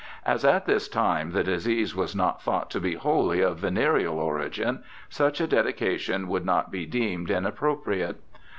As at this time the disease was not thought to be wholly of venereal origin, such a dedication would not be deemed inappro priate.